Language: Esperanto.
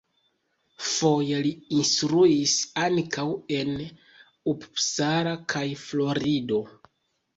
Foje li instruis ankaŭ en Uppsala kaj Florido.